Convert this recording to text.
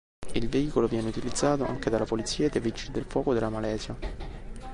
Il veicolo viene utilizzato anche dalla Polizia e dai Vigili del Fuoco della Malaysia.